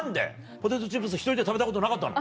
ポテトチップス１人で食べたことなかったの？